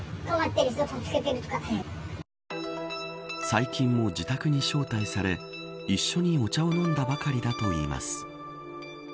最近も自宅に招待され一緒にお茶を飲んだばかりだといいます。